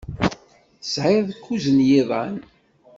Tesɛid kuẓ n yiḍan.